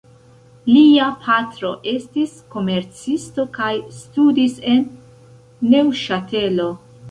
Lia patro estis komercisto, kaj studis en Neŭŝatelo.